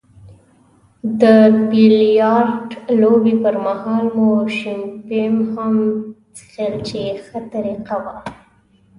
د بیلیارډ لوبې پرمهال مو شیمپین هم څیښل چې ښه طریقه وه.